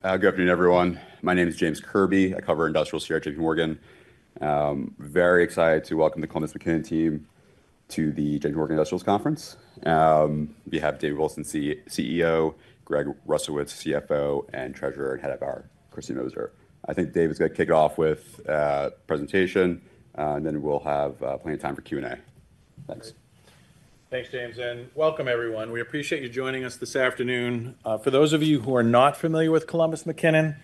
Good afternoon, everyone. My name is James Kirby. I cover industrial strategy at JPMorgan. Very excited to welcome the Columbus McKinnon team to the JPMorgan Industrials Conference. We have David Wilson, CEO; Greg Rustowicz, CFO; and Treasurer and Head of IR, Kristy Moser. I think Dave is going to kick it off with a presentation, and then we'll have plenty of time for Q&A. Thanks. Thanks, James, and welcome, everyone. We appreciate you joining us this afternoon. For those of you who are not familiar with Columbus McKinnon,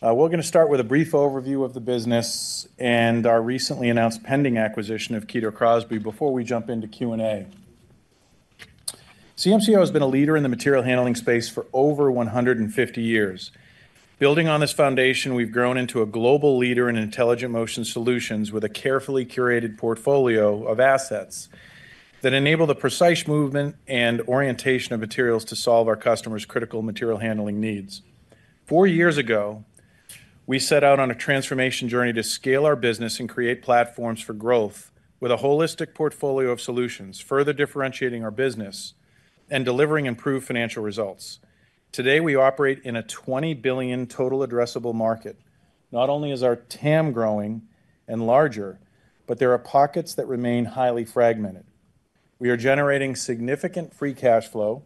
we're going to start with a brief overview of the business and our recently announced pending acquisition of Kito Crosby. Before we jump into Q&A, CMCO has been a leader in the material handling space for over 150 years. Building on this foundation, we've grown into a global leader in intelligent motion solutions with a carefully curated portfolio of assets that enable the precise movement and orientation of materials to solve our customers' critical material handling needs. Four years ago, we set out on a transformation journey to scale our business and create platforms for growth with a holistic portfolio of solutions, further differentiating our business and delivering improved financial results. Today, we operate in a $20 billion total addressable market. Not only is our TAM growing and larger, but there are pockets that remain highly fragmented. We are generating significant free cash flow,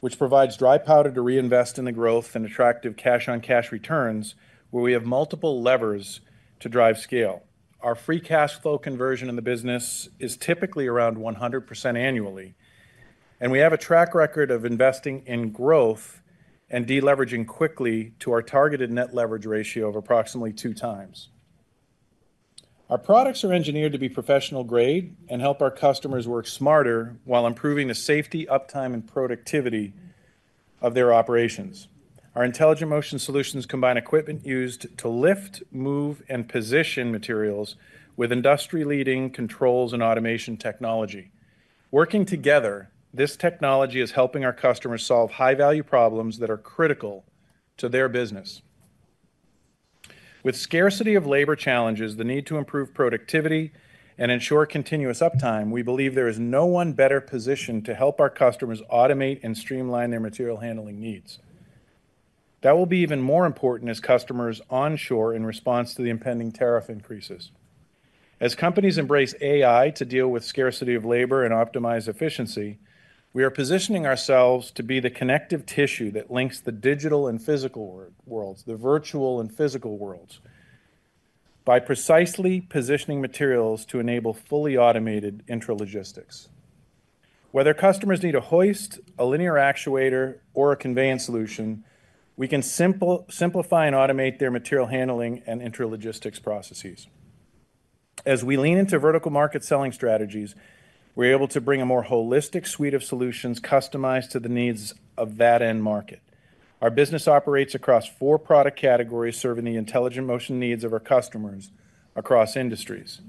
which provides dry powder to reinvest in the growth and attractive cash-on-cash returns, where we have multiple levers to drive scale. Our free cash flow conversion in the business is typically around 100% annually, and we have a track record of investing in growth and deleveraging quickly to our targeted net leverage ratio of approximately two times. Our products are engineered to be professional grade and help our customers work smarter while improving the safety, uptime, and productivity of their operations. Our intelligent motion solutions combine equipment used to lift, move, and position materials with industry-leading controls and automation technology. Working together, this technology is helping our customers solve high-value problems that are critical to their business. With scarcity of labor challenges, the need to improve productivity, and ensure continuous uptime, we believe there is no one better positioned to help our customers automate and streamline their material handling needs. That will be even more important as customers onshore in response to the impending tariff increases. As companies embrace AI to deal with scarcity of labor and optimize efficiency, we are positioning ourselves to be the connective tissue that links the digital and physical worlds, the virtual and physical worlds, by precisely positioning materials to enable fully automated intralogistics. Whether customers need a hoist, a linear actuator, or a conveyance solution, we can simplify and automate their material handling and intralogistics processes. As we lean into vertical market selling strategies, we're able to bring a more holistic suite of solutions customized to the needs of that end market. Our business operates across four product categories, serving the intelligent motion needs of our customers across industries.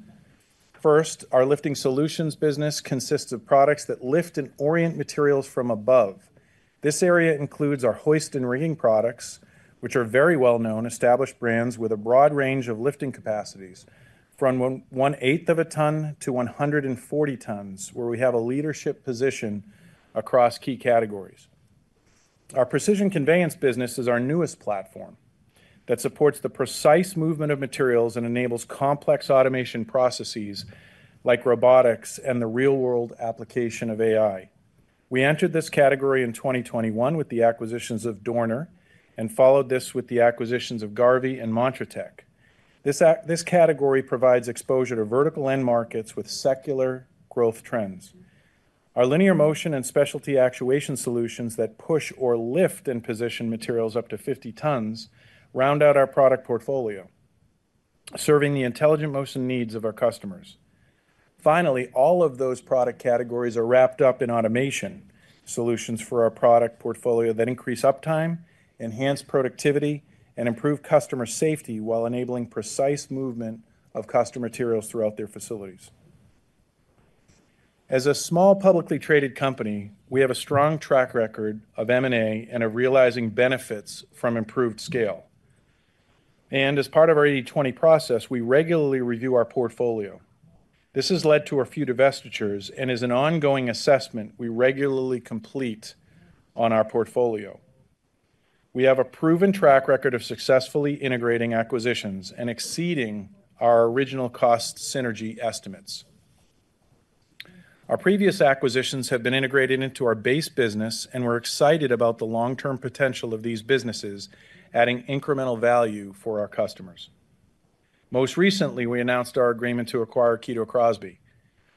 First, our lifting solutions business consists of products that lift and orient materials from above. This area includes our hoist and rigging products, which are very well-known established brands with a broad range of lifting capacities, from one-eighth of a ton to 140 tons, where we have a leadership position across key categories. Our precision conveyance business is our newest platform that supports the precise movement of materials and enables complex automation processes like robotics and the real-world application of AI. We entered this category in 2021 with the acquisitions of Dorner and followed this with the acquisitions of Garvey and montratec This category provides exposure to vertical end markets with secular growth trends. Our linear motion and specialty actuation solutions that push or lift and position materials up to 50 tons round out our product portfolio, serving the intelligent motion needs of our customers. Finally, all of those product categories are wrapped up in automation solutions for our product portfolio that increase uptime, enhance productivity, and improve customer safety while enabling precise movement of customer materials throughout their facilities. As a small publicly traded company, we have a strong track record of M&A and are realizing benefits from improved scale. As part of our 80/20 process, we regularly review our portfolio. This has led to our few divestitures and is an ongoing assessment we regularly complete on our portfolio. We have a proven track record of successfully integrating acquisitions and exceeding our original cost synergy estimates. Our previous acquisitions have been integrated into our base business, and we're excited about the long-term potential of these businesses, adding incremental value for our customers. Most recently, we announced our agreement to acquire Kito Crosby,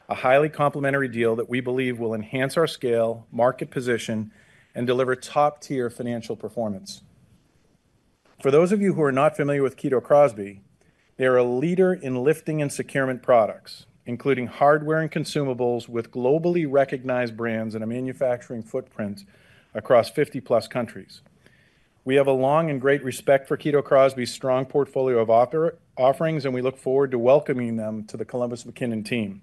a highly complementary deal that we believe will enhance our scale, market position, and deliver top-tier financial performance. For those of you who are not familiar with Kito Crosby, they are a leader in lifting and securement products, including hardware and consumables with globally recognized brands and a manufacturing footprint across 50-plus countries. We have a long and great respect for Kito Crosby's strong portfolio of offerings, and we look forward to welcoming them to the Columbus McKinnon team.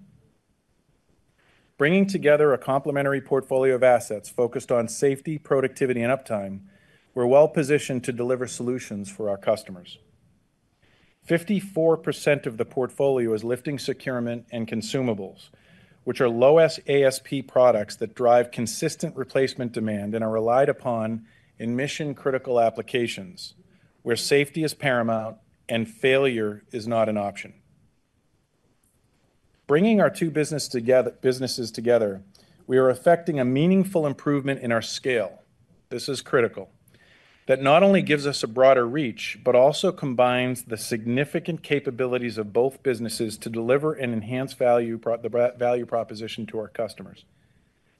Bringing together a complementary portfolio of assets focused on safety, productivity, and uptime, we're well-positioned to deliver solutions for our customers. 54% of the portfolio is lifting, securement, and consumables, which are low-ASP products that drive consistent replacement demand and are relied upon in mission-critical applications where safety is paramount and failure is not an option. Bringing our two businesses together, we are affecting a meaningful improvement in our scale. This is critical. That not only gives us a broader reach, but also combines the significant capabilities of both businesses to deliver and enhance the value proposition to our customers,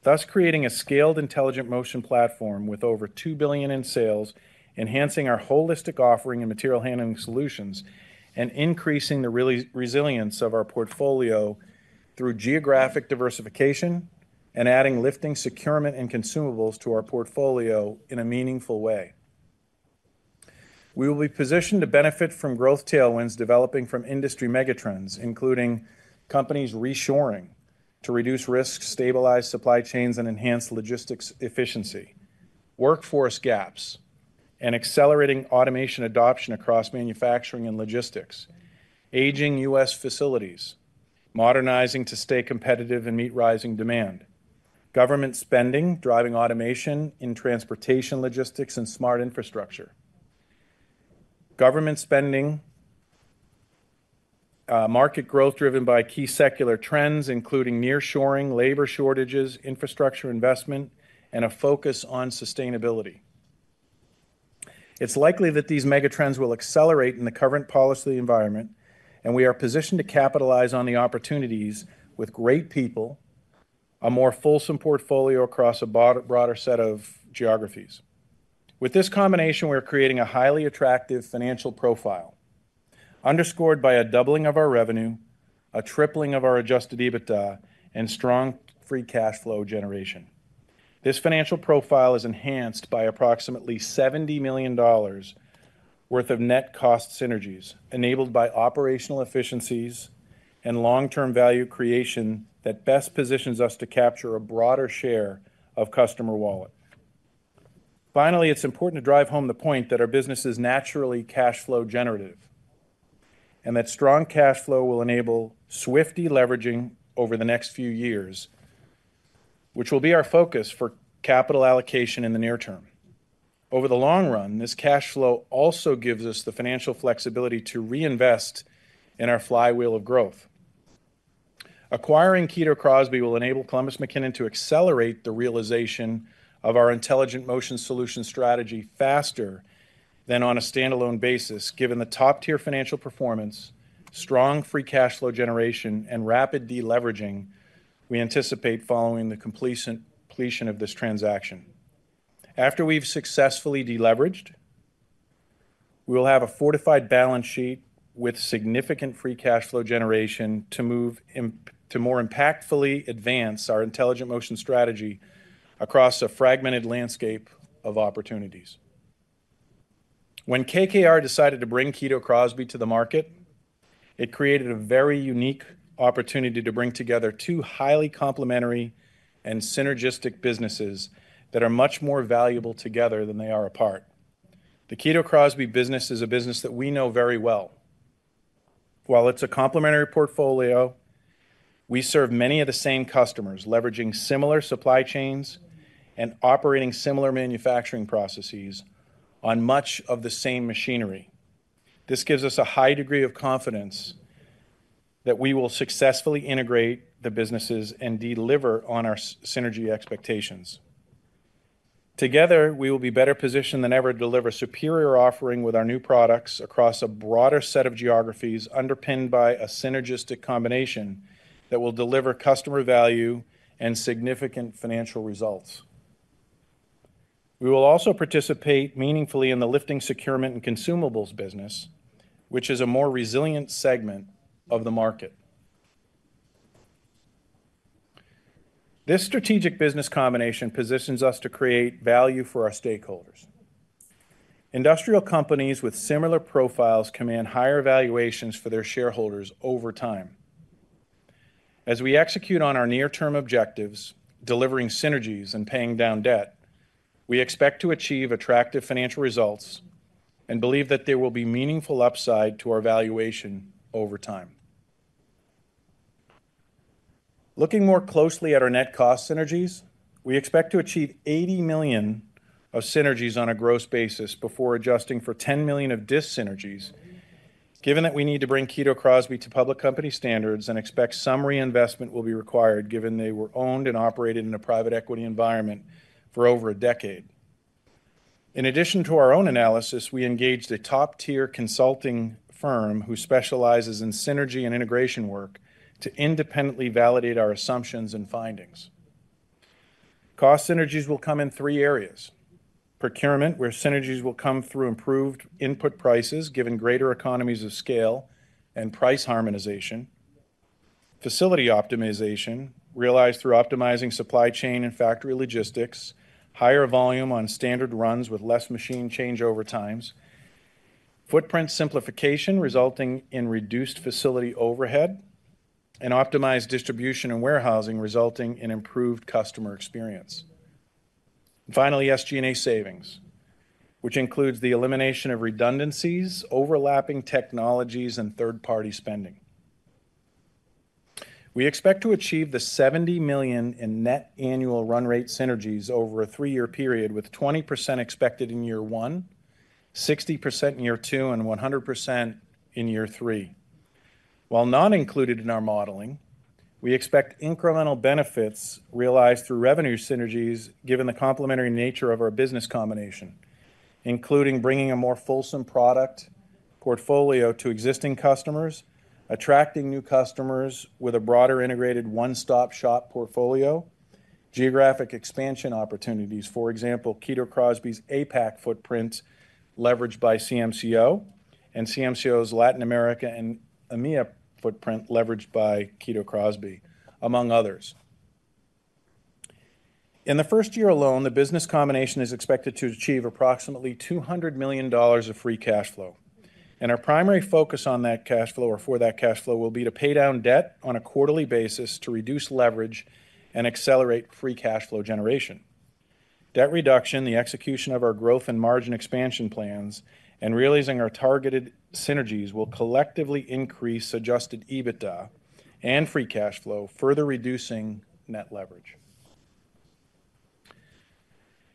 thus creating a scaled intelligent motion platform with over $2 billion in sales, enhancing our holistic offering and material handling solutions, and increasing the resilience of our portfolio through geographic diversification and adding lifting, securement, and consumables to our portfolio in a meaningful way. We will be positioned to benefit from growth tailwinds developing from industry megatrends, including companies reshoring to reduce risks, stabilize supply chains, and enhance logistics efficiency, workforce gaps, and accelerating automation adoption across manufacturing and logistics, aging U.S. facilities, modernizing to stay competitive and meet rising demand, government spending driving automation in transportation logistics and smart infrastructure, government spending, market growth driven by key secular trends, including nearshoring, labor shortages, infrastructure investment, and a focus on sustainability. It's likely that these megatrends will accelerate in the current policy environment, and we are positioned to capitalize on the opportunities with great people, a more fulsome portfolio across a broader set of geographies. With this combination, we're creating a highly attractive financial profile, underscored by a doubling of our revenue, a tripling of our adjusted EBITDA, and strong free cash flow generation. This financial profile is enhanced by approximately $70 million worth of net cost synergies enabled by operational efficiencies and long-term value creation that best positions us to capture a broader share of customer wallet. Finally, it's important to drive home the point that our business is naturally cash flow generative and that strong cash flow will enable swift de-leveraging over the next few years, which will be our focus for capital allocation in the near term. Over the long run, this cash flow also gives us the financial flexibility to reinvest in our flywheel of growth. Acquiring Kito Crosby will enable Columbus McKinnon to accelerate the realization of our intelligent motion solution strategy faster than on a standalone basis. Given the top-tier financial performance, strong free cash flow generation, and rapid de-leveraging, we anticipate following the completion of this transaction. After we've successfully de-leveraged, we will have a fortified balance sheet with significant free cash flow generation to move to more impactfully advance our intelligent motion strategy across a fragmented landscape of opportunities. When KKR decided to bring Kito Crosby to the market, it created a very unique opportunity to bring together two highly complementary and synergistic businesses that are much more valuable together than they are apart. The Kito Crosby business is a business that we know very well. While it's a complementary portfolio, we serve many of the same customers, leveraging similar supply chains and operating similar manufacturing processes on much of the same machinery. This gives us a high degree of confidence that we will successfully integrate the businesses and deliver on our synergy expectations. Together, we will be better positioned than ever to deliver a superior offering with our new products across a broader set of geographies underpinned by a synergistic combination that will deliver customer value and significant financial results. We will also participate meaningfully in the lifting, securement, and consumables business, which is a more resilient segment of the market. This strategic business combination positions us to create value for our stakeholders. Industrial companies with similar profiles command higher valuations for their shareholders over time. As we execute on our near-term objectives, delivering synergies and paying down debt, we expect to achieve attractive financial results and believe that there will be meaningful upside to our valuation over time. Looking more closely at our net cost synergies, we expect to achieve $80 million of synergies on a gross basis before adjusting for $10 million of dissynergies, given that we need to bring Kito Crosby to public company standards and expect some reinvestment will be required, given they were owned and operated in a private equity environment for over a decade. In addition to our own analysis, we engaged a top-tier consulting firm who specializes in synergy and integration work to independently validate our assumptions and findings. Cost synergies will come in three areas: procurement, where synergies will come through improved input prices, giving greater economies of scale and price harmonization; facility optimization, realized through optimizing supply chain and factory logistics; higher volume on standard runs with less machine changeover times; footprint simplification, resulting in reduced facility overhead; and optimized distribution and warehousing, resulting in improved customer experience. Finally, SG&A savings, which includes the elimination of redundancies, overlapping technologies, and third-party spending. We expect to achieve the $70 million in net annual run rate synergies over a three-year period, with 20% expected in year one, 60% in year two, and 100% in year three. While not included in our modeling, we expect incremental benefits realized through revenue synergies, given the complementary nature of our business combination, including bringing a more fulsome product portfolio to existing customers, attracting new customers with a broader integrated one-stop-shop portfolio, geographic expansion opportunities, for example, Kito Crosby's APAC footprint leveraged by Columbus McKinnon and Columbus McKinnon's Latin America and EMEA footprint leveraged by Kito Crosby, among others. In the first year alone, the business combination is expected to achieve approximately $200 million of free cash flow. Our primary focus for that cash flow will be to pay down debt on a quarterly basis to reduce leverage and accelerate free cash flow generation. Debt reduction, the execution of our growth and margin expansion plans, and realizing our targeted synergies will collectively increase adjusted EBITDA and free cash flow, further reducing net leverage.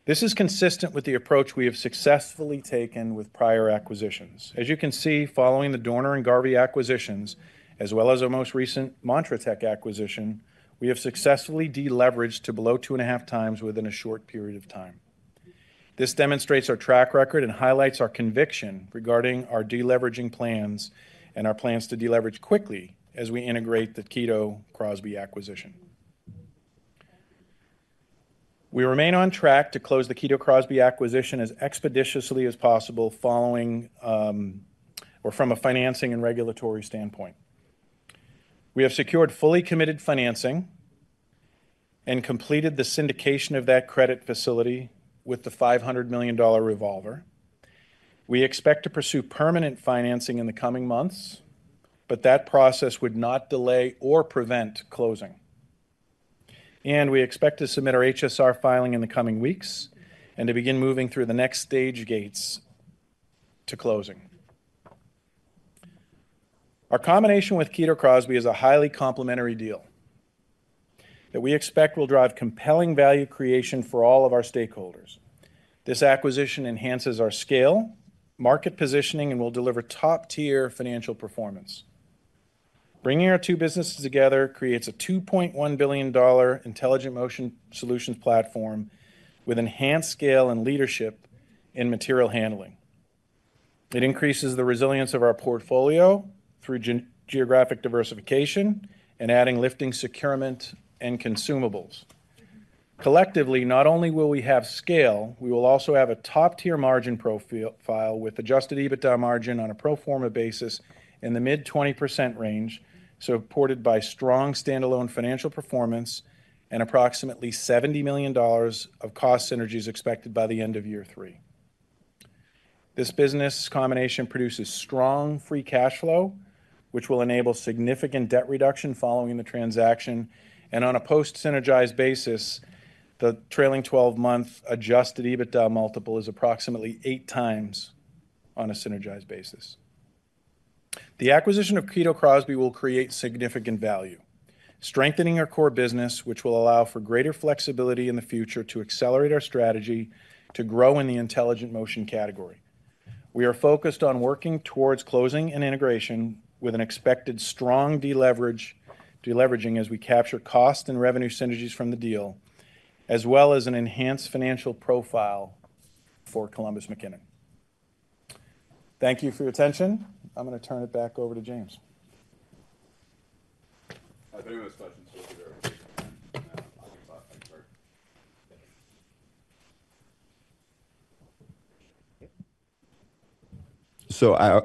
This is consistent with the approach we have successfully taken with prior acquisitions. As you can see, following the Dorner and Garvey acquisitions, as well as our most recent montratec acquisition, we have successfully de-leveraged to below two and a half times within a short period of time. This demonstrates our track record and highlights our conviction regarding our de-leveraging plans and our plans to de-leverage quickly as we integrate the Kito Crosby acquisition. We remain on track to close the Kito Crosby acquisition as expeditiously as possible from a financing and regulatory standpoint. We have secured fully committed financing and completed the syndication of that credit facility with the $500 million revolver. We expect to pursue permanent financing in the coming months, but that process would not delay or prevent closing. We expect to submit our HSR filing in the coming weeks and to begin moving through the next stage gates to closing. Our combination with Kito Crosby is a highly complementary deal that we expect will drive compelling value creation for all of our stakeholders. This acquisition enhances our scale, market positioning, and will deliver top-tier financial performance. Bringing our two businesses together creates a $2.1 billion intelligent motion solutions platform with enhanced scale and leadership in material handling. It increases the resilience of our portfolio through geographic diversification and adding lifting, securement, and consumables. Collectively, not only will we have scale, we will also have a top-tier margin profile with adjusted EBITDA margin on a pro forma basis in the mid-20% range, supported by strong standalone financial performance and approximately $70 million of cost synergies expected by the end of year three. This business combination produces strong free cash flow, which will enable significant debt reduction following the transaction. On a post-synergized basis, the trailing 12-month adjusted EBITDA multiple is approximately 8x on a synergized basis. The acquisition of Kito Crosby will create significant value, strengthening our core business, which will allow for greater flexibility in the future to accelerate our strategy to grow in the intelligent motion category. We are focused on working towards closing and integration with an expected strong de-leveraging as we capture cost and revenue synergies from the deal, as well as an enhanced financial profile for Columbus McKinnon. Thank you for your attention. I'm going to turn it back over to James.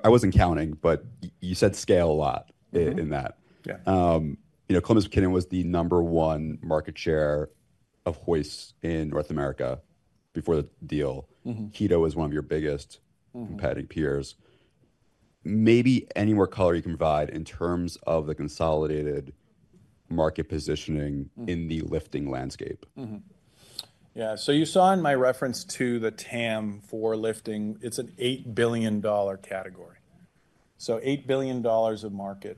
I wasn't counting, but you said scale a lot in that. Columbus McKinnon was the number one market share of hoist in North America before the deal. Kito was one of your biggest competitive peers. Maybe any more color you can provide in terms of the consolidated market positioning in the lifting landscape. Yeah. You saw in my reference to the TAM for lifting, it's an $8 billion category. $8 billion of market.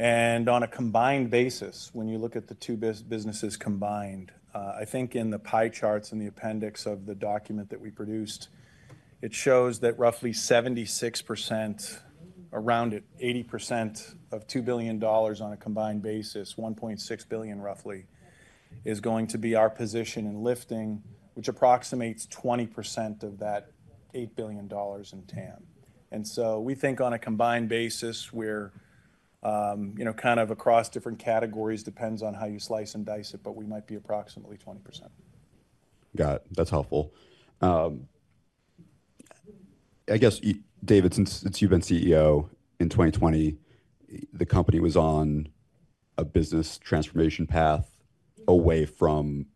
On a combined basis, when you look at the two businesses combined, I think in the pie charts in the appendix of the document that we produced, it shows that roughly 76%, around 80% of $2 billion on a combined basis, $1.6 billion roughly, is going to be our position in lifting, which approximates 20% of that $8 billion in TAM. We think on a combined basis where kind of across different categories depends on how you slice and dice it, but we might be approximately 20%. Got it. That's helpful. I guess, David, since you've been CEO in 2020, the company was on a business transformation path away from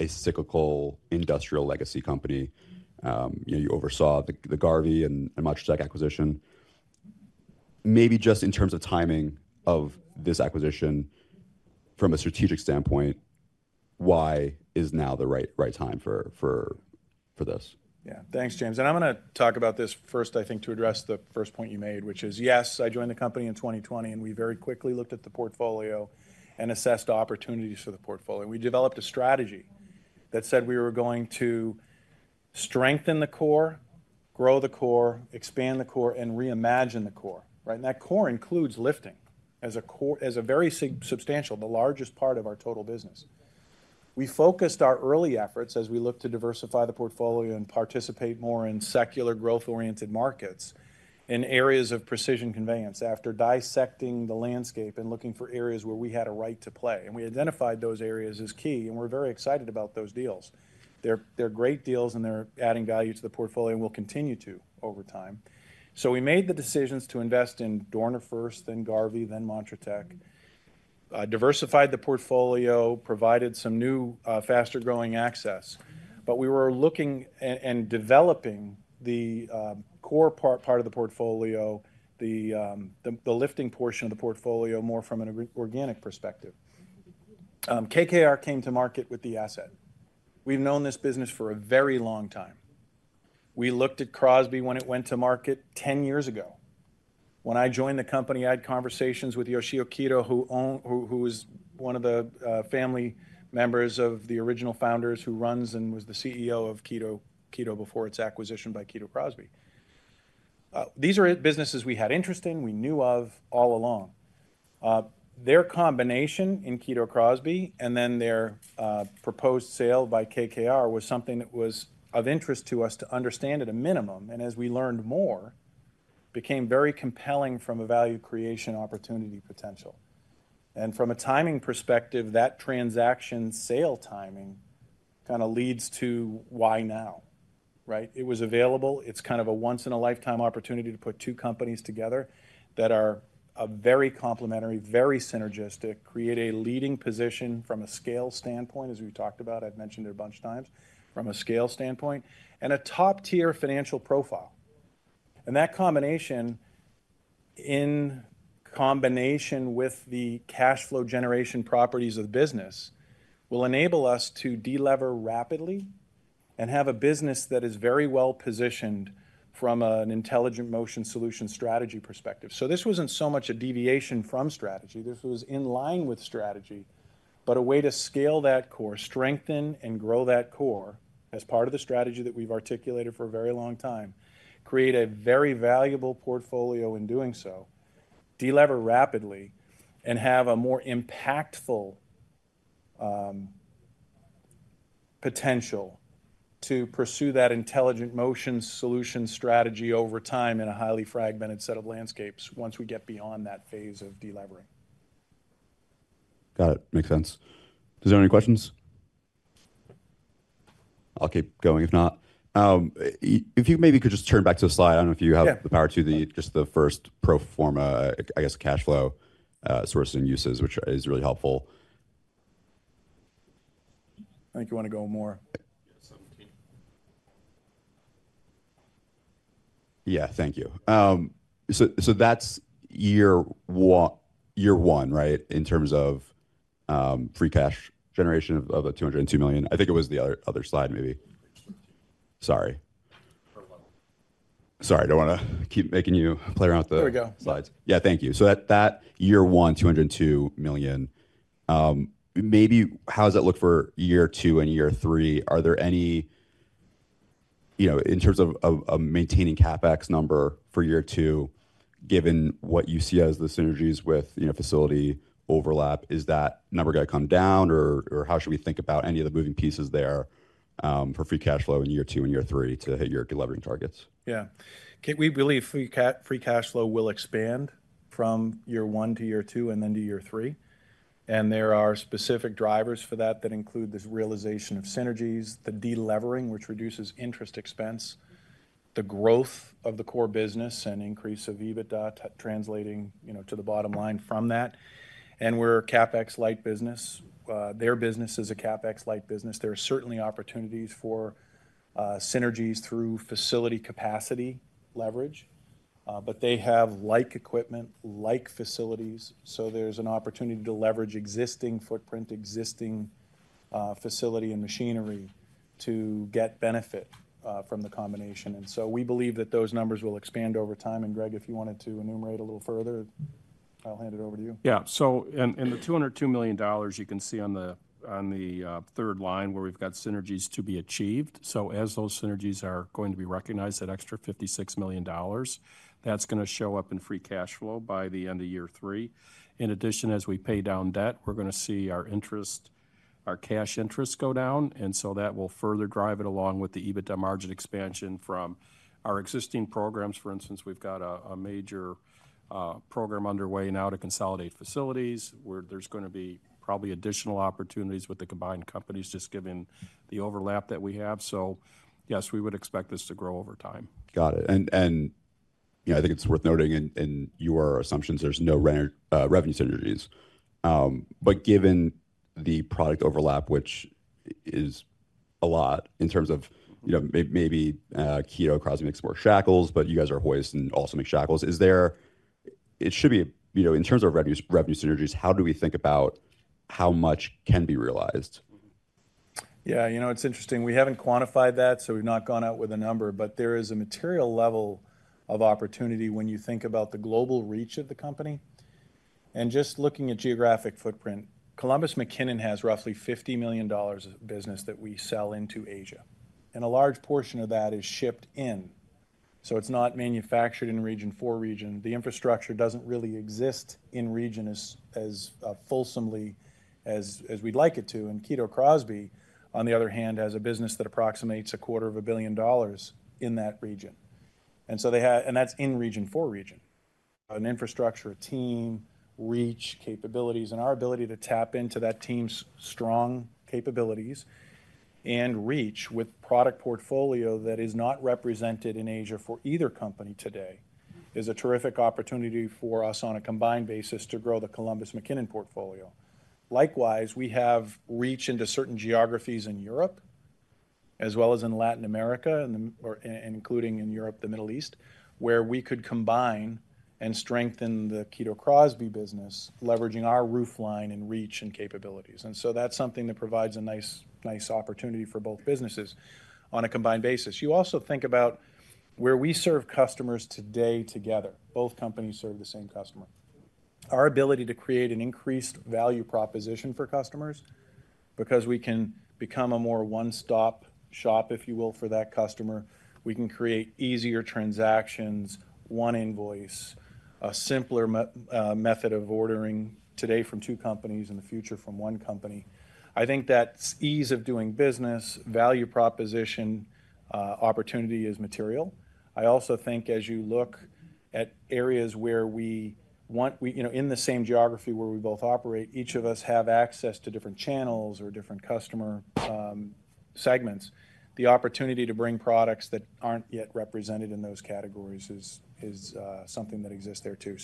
a cyclical industrial legacy company. You oversaw the Garvey and montratec acquisition. Maybe just in terms of timing of this acquisition, from a strategic standpoint, why is now the right time for this? Yeah. Thanks, James. I'm going to talk about this first, I think, to address the first point you made, which is, yes, I joined the company in 2020, and we very quickly looked at the portfolio and assessed opportunities for the portfolio. We developed a strategy that said we were going to strengthen the core, grow the core, expand the core, and reimagine the core. That core includes lifting as a very substantial, the largest part of our total business. We focused our early efforts as we looked to diversify the portfolio and participate more in secular growth-oriented markets in areas of precision conveyance after dissecting the landscape and looking for areas where we had a right to play. We identified those areas as key, and we're very excited about those deals. They're great deals, and they're adding value to the portfolio and will continue to over time. We made the decisions to invest in Dorner first, then Garvey, then montratec, diversified the portfolio, provided some new faster-growing access. We were looking and developing the core part of the portfolio, the lifting portion of the portfolio, more from an organic perspective. KKR came to market with the asset. We've known this business for a very long time. We looked at Crosby when it went to market 10 years ago. When I joined the company, I had conversations with Yoshio Kito, who is one of the family members of the original founders who runs and was the CEO of Kito before its acquisition by Kito Crosby. These are businesses we had interest in, we knew of all along. Their combination in Kito Crosby and then their proposed sale by KKR was something that was of interest to us to understand at a minimum. As we learned more, it became very compelling from a value creation opportunity potential. From a timing perspective, that transaction sale timing kind of leads to why now. It was available. It's kind of a once-in-a-lifetime opportunity to put two companies together that are very complementary, very synergistic, create a leading position from a scale standpoint, as we've talked about. I've mentioned it a bunch of times from a scale standpoint, and a top-tier financial profile. That combination, in combination with the cash flow generation properties of the business, will enable us to de-lever rapidly and have a business that is very well positioned from an intelligent motion solution strategy perspective. This wasn't so much a deviation from strategy. This was in line with strategy, but a way to scale that core, strengthen and grow that core as part of the strategy that we've articulated for a very long time, create a very valuable portfolio in doing so, de-lever rapidly, and have a more impactful potential to pursue that intelligent motion solution strategy over time in a highly fragmented set of landscapes once we get beyond that phase of de-levering. Got it. Makes sense. Are there any questions? I'll keep going if not. If you maybe could just turn back to the slide. I don't know if you have the power to just the first pro forma, I guess, cash flow source and uses, which is really helpful. I think you want to go more. Yeah. Thank you. That is year one, right, in terms of free cash generation of the $202 million. I think it was the other slide, maybe. Sorry. Sorry. I do not want to keep making you play around with the slides. Yeah. Thank you. That year one, $202 million. Maybe how does that look for year two and year three? Are there any, in terms of maintaining CapEx number for year two, given what you see as the synergies with facility overlap, is that number going to come down, or how should we think about any of the moving pieces there for free cash flow in year two and year three to hit your delivering targets? Yeah. We believe free cash flow will expand from year one to year two and then to year three. There are specific drivers for that that include this realization of synergies, the de-levering, which reduces interest expense, the growth of the core business, and increase of EBITDA translating to the bottom line from that. We're a CapEx-like business. Their business is a CapEx-like business. There are certainly opportunities for synergies through facility capacity leverage, but they have like equipment, like facilities. There is an opportunity to leverage existing footprint, existing facility and machinery to get benefit from the combination. We believe that those numbers will expand over time. Greg, if you wanted to enumerate a little further, I'll hand it over to you. Yeah. In the $202 million, you can see on the third line where we've got synergies to be achieved. As those synergies are going to be recognized, that extra $56 million, that's going to show up in free cash flow by the end of year three. In addition, as we pay down debt, we're going to see our cash interest go down. That will further drive it along with the EBITDA margin expansion from our existing programs. For instance, we've got a major program underway now to consolidate facilities where there's going to be probably additional opportunities with the combined companies just given the overlap that we have. Yes, we would expect this to grow over time. Got it. I think it's worth noting in your assumptions, there's no revenue synergies. Given the product overlap, which is a lot in terms of maybe Kito Crosby makes more shackles, but you guys are hoist and also make shackles. It should be in terms of revenue synergies, how do we think about how much can be realized? Yeah. You know it's interesting. We haven't quantified that, so we've not gone out with a number. There is a material level of opportunity when you think about the global reach of the company. Just looking at geographic footprint, Columbus McKinnon has roughly $50 million of business that we sell into Asia. A large portion of that is shipped in. It is not manufactured in region for region. The infrastructure does not really exist in region as fulsomely as we'd like it to. Kito Crosby, on the other hand, has a business that approximates a quarter of a billion dollars in that region. That is in region for region. An infrastructure, a team, reach, capabilities, and our ability to tap into that team's strong capabilities and reach with product portfolio that is not represented in Asia for either company today is a terrific opportunity for us on a combined basis to grow the Columbus McKinnon portfolio. Likewise, we have reach into certain geographies in Europe as well as in Latin America, including in Europe, the Middle East, where we could combine and strengthen the Kito Crosby business, leveraging our roofline and reach and capabilities. That is something that provides a nice opportunity for both businesses on a combined basis. You also think about where we serve customers today together. Both companies serve the same customer. Our ability to create an increased value proposition for customers because we can become a more one-stop shop, if you will, for that customer. We can create easier transactions, one invoice, a simpler method of ordering today from two companies and in the future from one company. I think that ease of doing business, value proposition opportunity is material. I also think as you look at areas where we in the same geography where we both operate, each of us have access to different channels or different customer segments, the opportunity to bring products that aren't yet represented in those categories is something that exists there too.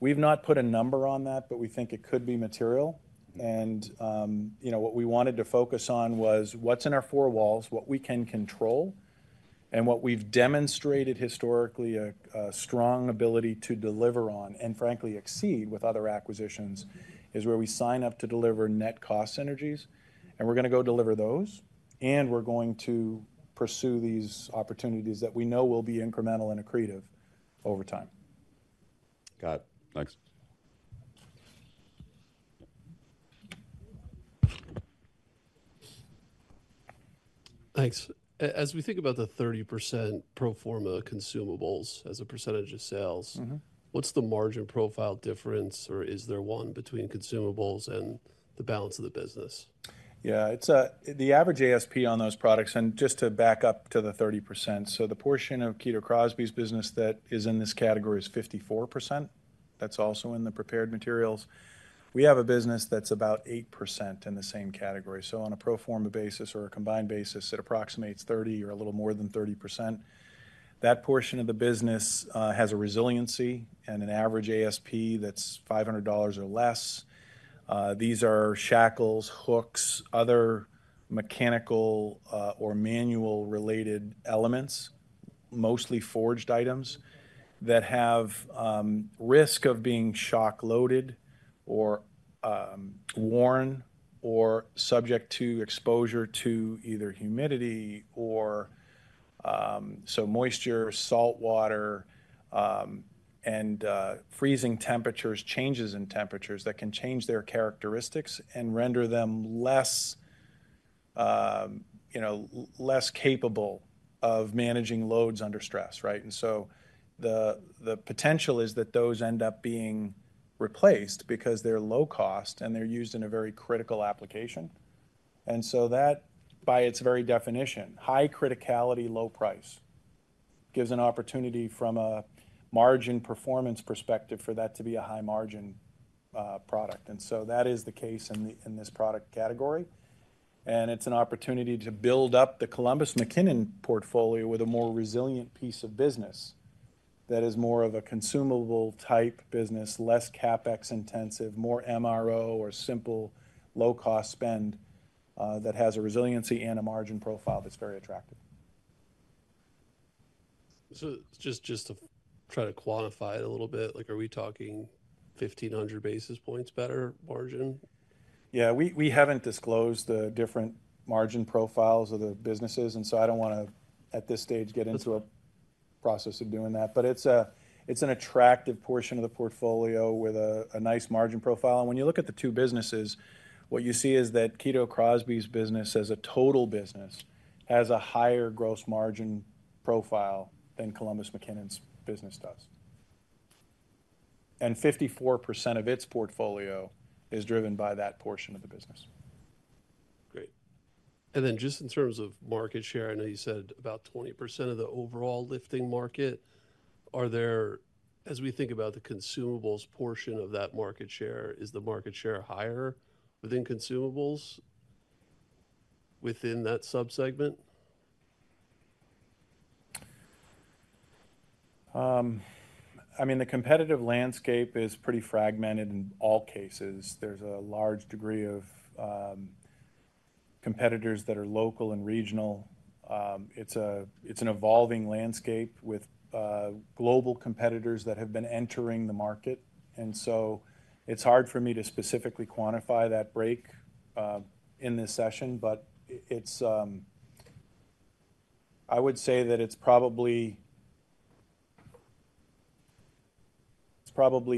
We have not put a number on that, but we think it could be material. What we wanted to focus on was what's in our four walls, what we can control, and what we've demonstrated historically a strong ability to deliver on and frankly exceed with other acquisitions is where we sign up to deliver net cost synergies. We're going to go deliver those, and we're going to pursue these opportunities that we know will be incremental and accretive over time. Got it. Thanks. Thanks. As we think about the 30% pro forma consumables as a percentage of sales, what's the margin profile difference, or is there one between consumables and the balance of the business? Yeah. The average ASP on those products, and just to back up to the 30%, so the portion of Kito Crosby's business that is in this category is 54%. That's also in the prepared materials. We have a business that's about 8% in the same category. On a pro forma basis or a combined basis, it approximates 30% or a little more than 30%. That portion of the business has a resiliency and an average ASP that's $500 or less. These are shackles, hooks, other mechanical or manual-related elements, mostly forged items that have risk of being shock-loaded or worn or subject to exposure to either humidity or some moisture, saltwater, and freezing temperatures, changes in temperatures that can change their characteristics and render them less capable of managing loads under stress. The potential is that those end up being replaced because they're low cost and they're used in a very critical application. That, by its very definition, high criticality, low price gives an opportunity from a margin performance perspective for that to be a high-margin product. That is the case in this product category. It's an opportunity to build up the Columbus McKinnon portfolio with a more resilient piece of business that is more of a consumable-type business, less CapEx intensive, more MRO or simple low-cost spend that has a resiliency and a margin profile that's very attractive. Just to try to quantify it a little bit, are we talking 1,500 basis points better margin? Yeah. We haven't disclosed the different margin profiles of the businesses. I don't want to, at this stage, get into a process of doing that. It's an attractive portion of the portfolio with a nice margin profile. When you look at the two businesses, what you see is that Kito Crosby's business as a total business has a higher gross margin profile than Columbus McKinnon's business does. Fifty-four percent of its portfolio is driven by that portion of the business. Great. Just in terms of market share, I know you said about 20% of the overall lifting market. As we think about the consumables portion of that market share, is the market share higher within consumables within that subsegment? I mean, the competitive landscape is pretty fragmented in all cases. There is a large degree of competitors that are local and regional. It is an evolving landscape with global competitors that have been entering the market. It is hard for me to specifically quantify that break in this session. I would say that it is probably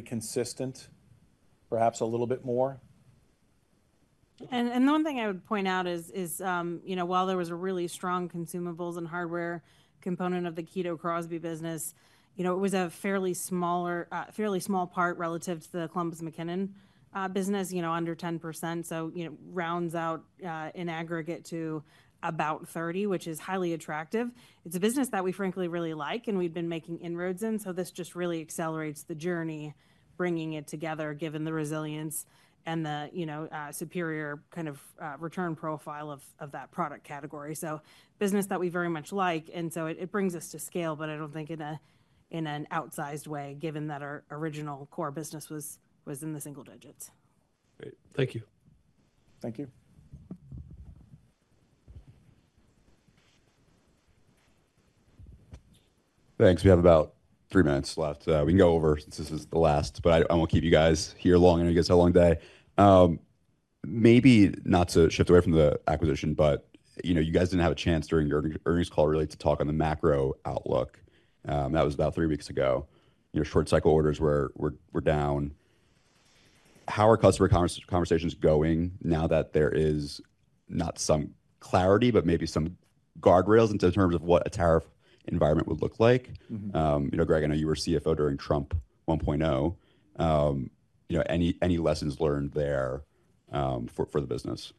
consistent, perhaps a little bit more. The one thing I would point out is while there was a really strong consumables and hardware component of the Kito Crosby business, it was a fairly small part relative to the Columbus McKinnon business, under 10%, so rounds out in aggregate to about 30%, which is highly attractive. It is a business that we, frankly, really like, and we have been making inroads in. This just really accelerates the journey, bringing it together, given the resilience and the superior kind of return profile of that product category. It is a business that we very much like. It brings us to scale, but I do not think in an outsized way, given that our original core business was in the single digits. Great. Thank you. Thank you. Thanks. We have about three minutes left. We can go over since this is the last, but I will not keep you guys here long. I guess how long today? Maybe not to shift away from the acquisition, but you guys did not have a chance during your earnings call really to talk on the macro outlook. That was about three weeks ago. Short-cycle orders were down. How are customer conversations going now that there is not some clarity, but maybe some guardrails in terms of what a tariff environment would look like? Greg, I know you were CFO during Trump 1.0. Any lessons learned there for the business?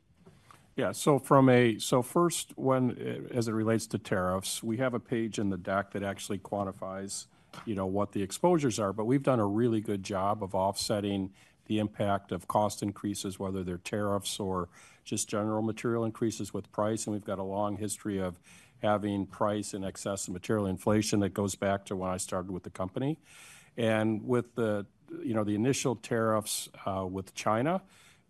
Yeah. First, as it relates to tariffs, we have a page in the doc that actually quantifies what the exposures are. We have done a really good job of offsetting the impact of cost increases, whether they are tariffs or just general material increases with price. We have a long history of having price in excess of material inflation that goes back to when I started with the company. With the initial tariffs with China,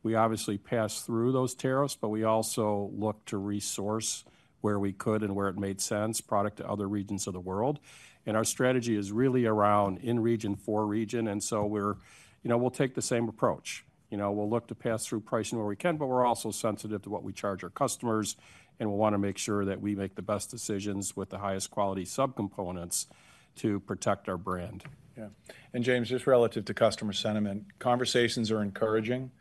we obviously passed through those tariffs, but we also looked to resource where we could and where it made sense, product to other regions of the world. Our strategy is really around in region for region. We will take the same approach. We will look to pass through pricing where we can, but we are also sensitive to what we charge our customers. We want to make sure that we make the best decisions with the highest quality subcomponents to protect our brand. Yeah. James, just relative to customer sentiment, conversations are encouraging.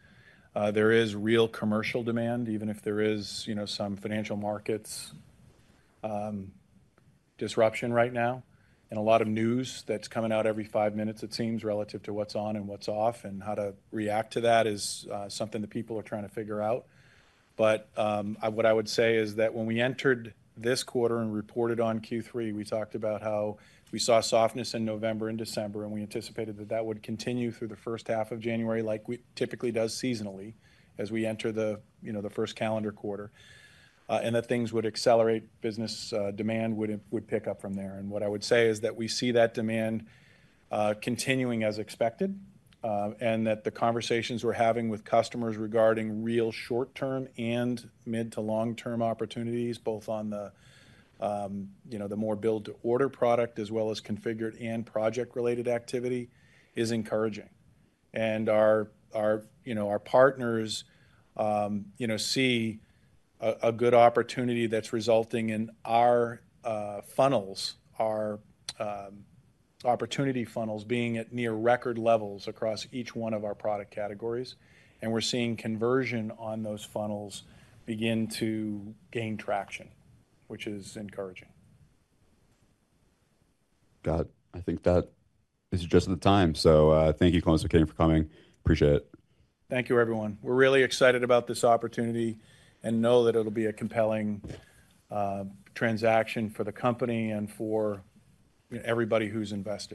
There is real commercial demand, even if there is some financial markets disruption right now. A lot of news that's coming out every five minutes, it seems, relative to what's on and what's off and how to react to that is something that people are trying to figure out. What I would say is that when we entered this quarter and reported on Q3, we talked about how we saw softness in November and December, and we anticipated that that would continue through the first half of January, like we typically do seasonally as we enter the first calendar quarter, and that things would accelerate, business demand would pick up from there. What I would say is that we see that demand continuing as expected and that the conversations we're having with customers regarding real short-term and mid to long-term opportunities, both on the more build-to-order product as well as configured and project-related activity, is encouraging. Our partners see a good opportunity that's resulting in our funnels, our opportunity funnels being at near record levels across each one of our product categories. We're seeing conversion on those funnels begin to gain traction, which is encouraging. Got it. I think that is just at the time. Thank you, Columbus McKinnon, for coming. Appreciate it. Thank you, everyone. We're really excited about this opportunity and know that it'll be a compelling transaction for the company and for everybody who's invested.